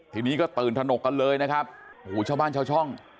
ทีนี้ก็ตื่นถนกกันเลยนะครับโอ้โหชาวบ้านชาวช่อง